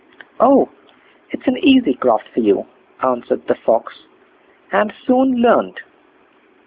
"Oh! it's an easy craft for you", answered the Fox, "and soon learnt.